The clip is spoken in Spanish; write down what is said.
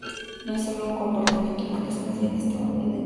No es sólo un comportamiento humano, es más bien estadounidense".